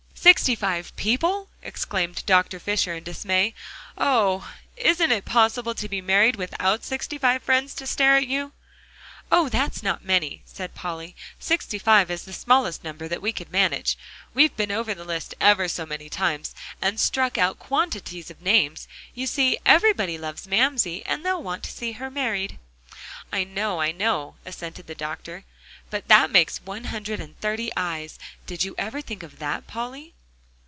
"Sixty five people!" exclaimed Dr. Fisher in dismay. "Oh! isn't is possible to be married without sixty five friends to stare at you?" "Oh! that's not many," said Polly; "sixty five is the very smallest number that we could manage. We've been over the list ever so many times, and struck out quantities of names. You see, everybody loves Mamsie, and they'll want to see her married." "I know I know," assented the doctor, "but that makes one hundred and thirty eyes. Did you ever think of that, Polly?"